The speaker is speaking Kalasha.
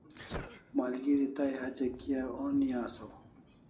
Malgeri tai hatya kia oni asaw